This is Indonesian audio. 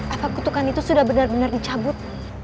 apa kutukan itu sudah benar benar dicabut